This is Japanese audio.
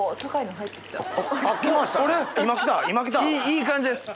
いい感じです！